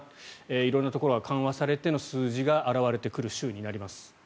色んなところが緩和されての数字が表れてくる週になります。